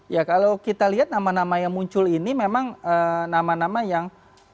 ya kalau kita lihat nama nama yang muncul ini memang nama nama yang